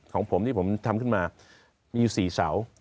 ของผมที่ผมทำขึ้นมามีอยู่๔เสา